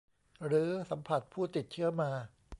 หรือสัมผัสผู้ติดเชื้อมา